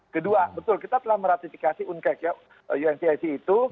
kedua betul kita telah meratifikasi uncac itu